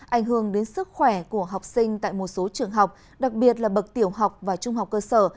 ảnh hưởng đến sức khỏe của học sinh tại một số trường học đặc biệt là bậc tiểu học và trung học cơ sở